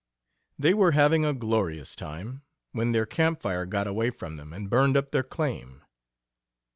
They were having a glorious time, when their camp fire got away from them and burned up their claim.